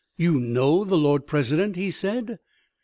"You know the Lord President," he said.